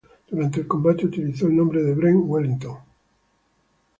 Durante el combate utilizó el nombre de Brent Wellington.